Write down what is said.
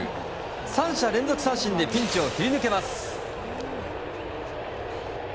３者連続三振でピンチを切り抜けます。